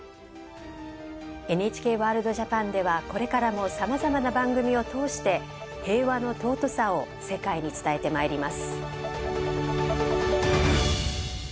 「ＮＨＫワールドＪＡＰＡＮ」ではこれからもさまざまな番組を通して平和の尊さを世界に伝えてまいります。